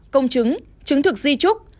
công chứng chứng thực di trúc